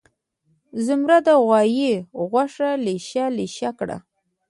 زمر د غوایه غوږه لېشه لېشه کړه.